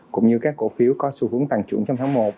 cũng như các cổ phiếu có xu hướng tăng trưởng trong tháng một